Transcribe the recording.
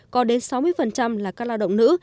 có đến sáu mươi là các lao động nữ